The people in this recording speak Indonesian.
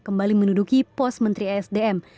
kembali menduduki pos menteri esdm